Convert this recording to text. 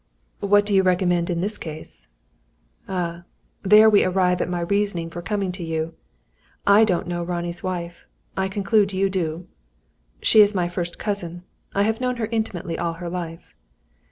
"What do you recommend in this case?" "Ah, there we arrive at my reason for coming to you. I don't know Ronnie's wife. I conclude you do." "She is my first cousin. I have known her intimately all her life."